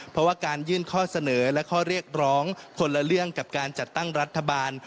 เพราะว่าการยื่นข้อเสนอและข้อเรียกร้องคนละเรื่องกับการจัดตั้งรัฐบาล